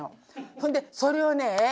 ほんでそれをね